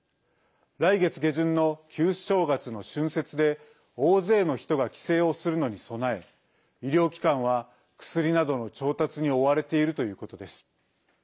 来月下旬の旧正月の春節で大勢の人が帰省をするのに備え医療機関は、薬などの調達に追われているということです。